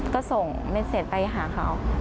ก็ส่งเมสเซตไปหาเขา